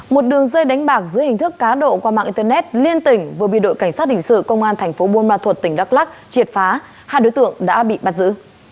một đường dây đánh bạc dưới hình thức cá độ qua mạng internet liên tỉnh vừa bị đội cảnh sát hình sự công an thành phố buôn ma thuật tỉnh đắk lắc triệt phá hai đối tượng đã bị bắt giữ